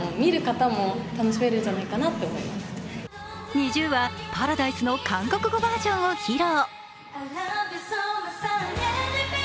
ＮｉｚｉＵは「Ｐａｒａｄｉｓｅ」の韓国語バージョンを披露。